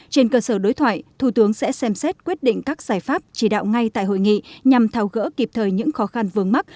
trên cơ sở đối thoại thủ tướng sẽ xem xét quyết định các giải pháp chỉ đạo ngay tại hội nghị nhằm thao gỡ kịp thời những khó khăn vướng mắt